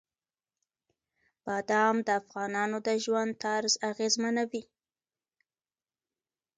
بادام د افغانانو د ژوند طرز اغېزمنوي.